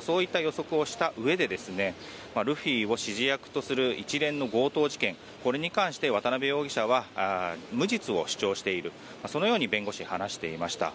そういった予測をしたうえでルフィを指示役とする一連の強盗事件、これに関して渡邉容疑者は無実を主張しているそのように弁護士、話していました。